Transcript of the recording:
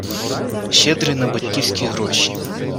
Щедрий на батьківські гроші.